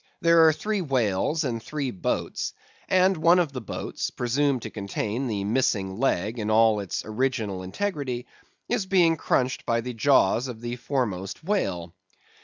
There are three whales and three boats; and one of the boats (presumed to contain the missing leg in all its original integrity) is being crunched by the jaws of the foremost whale.